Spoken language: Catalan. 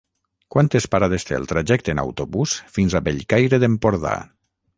Quantes parades té el trajecte en autobús fins a Bellcaire d'Empordà?